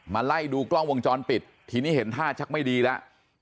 ไล่ดูกล้องวงจรปิดทีนี้เห็นท่าชักไม่ดีแล้ว